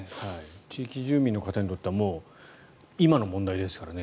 地域住民の方にとっては今の問題ですからね。